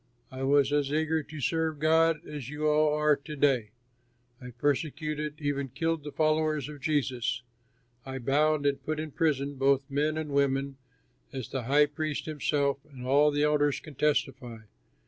I was as eager to serve God as you all are to day. I persecuted and even killed the followers of Jesus. I bound and put in prison both men and women, as the high priest himself and all the elders can testify.